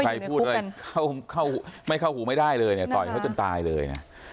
หรือใครพูดเลยเข้าหูไม่ได้เลยต่อยเขาจนตายเลย